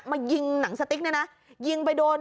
มายิงหนังสติ๊กเนี่ยนะยิงไปโดน